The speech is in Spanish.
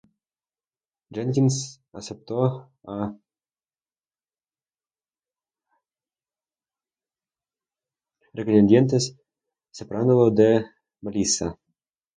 Jenkins aceptó a regañadientes, separándolo de Melissa.